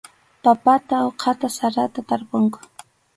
Papata uqata sarata tarpunku.